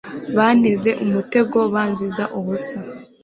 Banteze umutego banziza ubusa